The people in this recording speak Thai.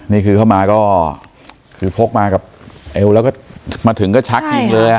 นี่คือเข้ามาก็คือพกมากับเอวแล้วก็มาถึงก็ชักยิงเลย